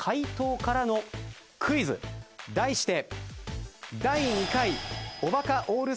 題して。